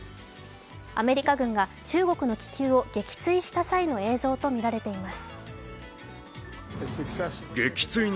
アメリカ軍が中国の気球を撃墜した際の映像とみられています。